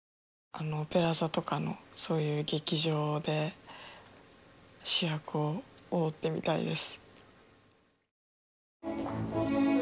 あのオペラ座とかのそういう劇場で主役を踊ってみたいです